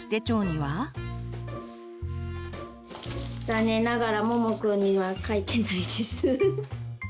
残念ながらももくんにはかいてないです。